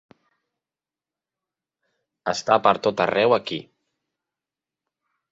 Està per tot arreu aquí.